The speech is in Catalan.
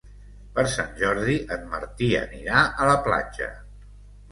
Per Sant Jordi en Martí anirà a la platja.